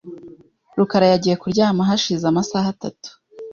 rukara yagiye kuryama hashize amasaha atatu .